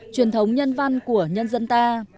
truyền thống nhân văn của nhân dân ta